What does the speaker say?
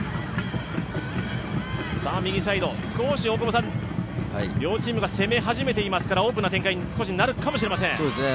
右サイド、両チームが攻め始めていますからオープンな展開になるかもしれません。